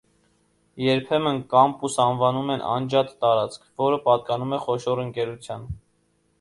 Երբեմն կամպուս անվանում են անջատ տարածք, որը պատկանում է խոշոր ընկերության։